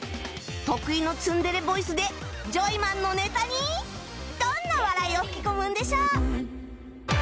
得意のツンデレボイスでジョイマンのネタにどんな笑いを吹き込むんでしょう？